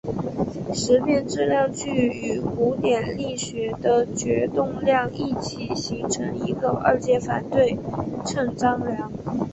时变质量矩与古典力学的角动量一起形成一个二阶反对称张量。